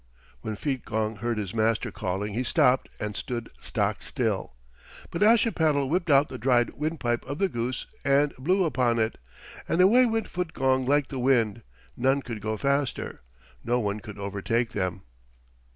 When Feetgong heard his master calling he stopped and stood stockstill. But Ashipattle whipped out the dried windpipe of the goose and blew upon it, and away went Feetgong like the wind; none could go faster. No one could overtake them.